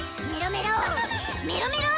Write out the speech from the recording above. メロメロ！